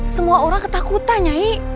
semua orang ketakutan nyai